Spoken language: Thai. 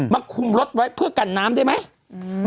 คุมรถไว้เพื่อกันน้ำได้ไหมอืม